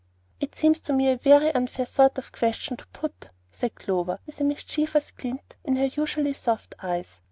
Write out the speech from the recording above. "It seems to me a very unfair sort of question to put," said Clover, with a mischievous glint in her usually soft eyes.